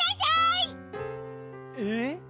えっ？